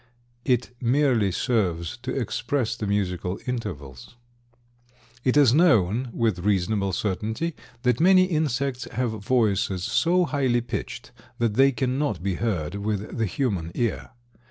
It merely serves to express the musical intervals. It is known with reasonable certainty that many insects have voices so highly pitched that they cannot be heard with the human ear.